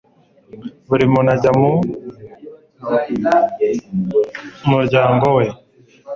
buri muntu ajya mu muryango we